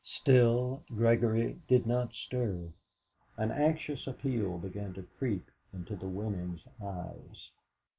Still Gregory did not stir. An anxious appeal began to creep into the women's eyes.